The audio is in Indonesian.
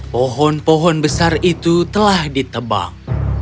pohon pohon besar itu telah ditebang